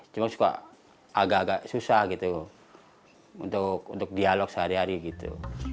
cuma suka agak agak susah gitu untuk dialog sehari hari gitu